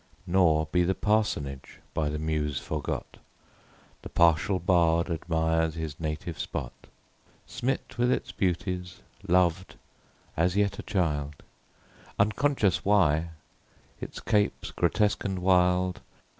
Nor be the parsonage by the Muse forgot — The partial bard admires his native spot; Smit with its beauties, loved, as yet a child, Unconscious why, its capes, grotesque and wild.